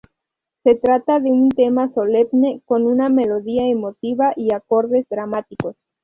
Se trata de un tema solemne, con una melodía emotiva y acordes dramáticos.